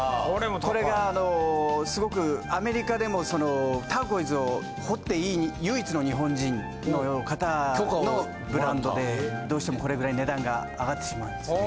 これがすごくアメリカでもターコイズを掘っていい唯一の日本人の方のブランドでどうしてもこれぐらい値段が上がってしまうんですね。